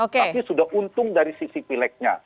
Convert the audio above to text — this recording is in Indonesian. tapi sudah untung dari sisi pilegnya